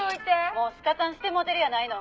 「もうスカタンしてもうてるやないの」